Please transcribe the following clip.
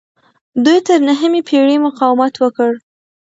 دوی تر نهمې پیړۍ مقاومت وکړ